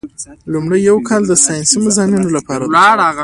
لومړی یو کال د ساینسي مضامینو لپاره دی.